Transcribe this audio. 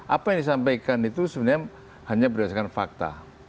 apa yang disampaikan itu sebenarnya hanya berdasarkan fakta